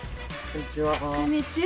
こんにちは。